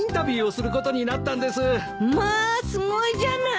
まあすごいじゃない。